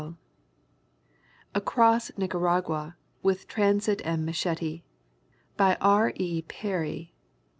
315 ACROSS NICARAGUA WITH TRANSIT AND MACHETE. By R. E. Peary.